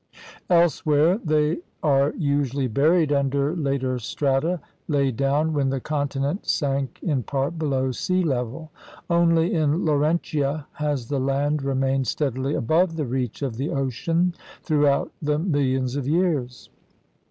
GEOGRAPHIC PROVINCES 53 Elsewhere they are usually buried under later strata laid down when the continent sank in part below sea level. Only in Laurentia has the land remained steadily above the reach of the ocean throughout the millions of years.